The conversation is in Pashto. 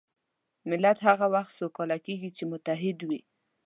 ملت هغه وخت سوکاله کېږي چې متحد وي.